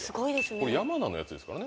これ山名のやつですからね。